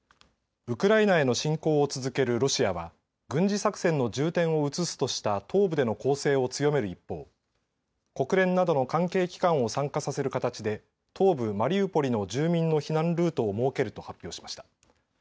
ウクライナへの侵攻を続けるロシアは軍事作戦の重点を移すとした東部での攻勢を強める一方、国連などの関係機関を参加させる形で東部マリウポリの住民の避難ルートを設けると発表しました。